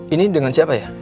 ini dengan siapa ya